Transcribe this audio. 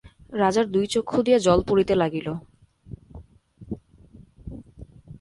রাজার দুই চক্ষু দিয়া জল পড়িতে লাগিল।